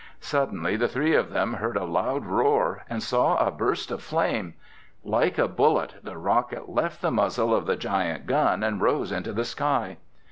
Suddenly the three of them heard a loud roar and saw a burst of flame. Like a bullet, the rocket left the muzzle of the giant gun and rose into the sky.